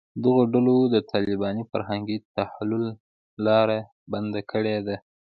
دغو ډلو د طالباني فرهنګي تحول لاره بنده کړې ده